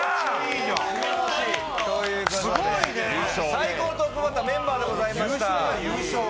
最高のトップバッターメンバーでございました。